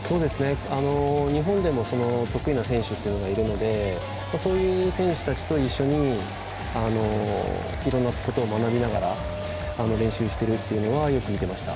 日本でも得意な選手っていうのがいるのでそういう選手たちと一緒にいろんなことを学びながら練習してるというのはよく見ていました。